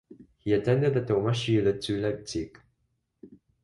He attended the Thomasschule zu Leipzig.